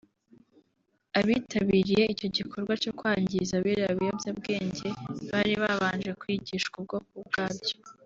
abitabiriye icyo gikorwa cyo kwangiza biriya biyobyabwenge bari babanje kwigishwa ubwoko bwabyo